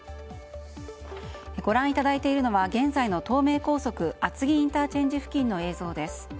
ご覧いただいているのは現在の東名高速厚木ＩＣ付近の映像です。